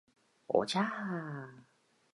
お茶